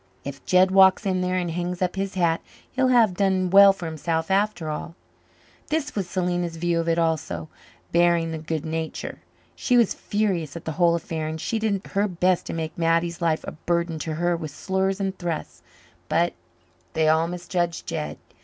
"If Jed walks in there and hangs up his hat he'll have done well for himself after all." This was Selena's view of it also, barring the good nature. She was furious at the whole affair, and she did her best to make Mattie's life a burden to her with slurs and thrusts. But they all misjudged Jed.